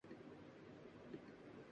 سرمہ ہے میری آنکھ کا خاک مدینہ و نجف